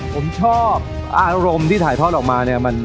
ผมชอบอารมณ์ที่ถ่ายทอดออกมาเนี่ย